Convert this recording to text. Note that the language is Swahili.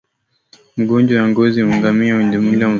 Magonjwa ya ngozi kwa ngamia kwa ujumla na usambaaji wake